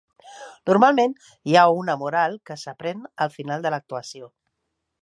Normalment hi ha una moral que s'aprèn al final de l'actuació.